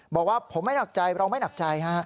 บอกว่าผมไม่หนักใจเราไม่หนักใจฮะ